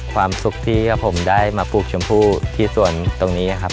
ความสุขที่ผมได้มาปลูกชมพู่ที่ส่วนตรงนี้นะครับ